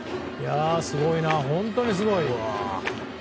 すごいな、本当にすごい。